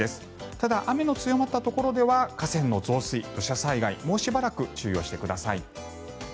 ただ、雨の強まったところでは河川の増水土砂災害、もうしばらく注意をしてください。